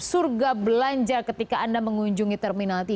surga belanja ketika anda mengunjungi terminal tiga